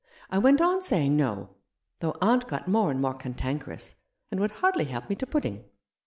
I went on saying no, though aunt got more and more cantankerous, and would hardly help me to pudding.